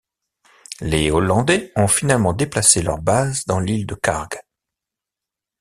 Les Hollandais ont finalement déplacé leur base dans l'île de Kharg.